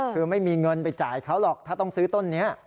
คือไม่มีเงินไปจ่ายเขาหรอกถ้าต้องซื้อต้นนี้